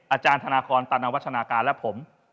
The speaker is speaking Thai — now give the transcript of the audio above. อาจารย์ธนาคอนตันวัฒนาการและผม